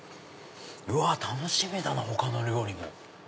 うわ楽しみだな他の料理も。